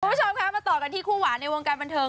คุณผู้ชมคะมาต่อกันที่คู่หวานในวงการบันเทิง